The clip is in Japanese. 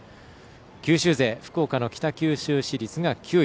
九州勢、福岡の北九州市立が９位。